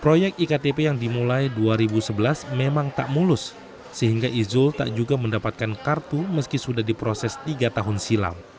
proyek iktp yang dimulai dua ribu sebelas memang tak mulus sehingga izul tak juga mendapatkan kartu meski sudah diproses tiga tahun silam